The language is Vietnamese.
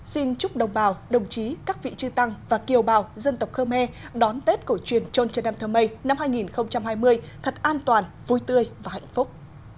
xin chúc đồng bào đồng chí các vị trư tăng và kiều bào dân tộc khơ me đón tết cổ truyền trôn trần nam thơ mây năm hai nghìn hai mươi thật an toàn vui tươi và hạnh phúc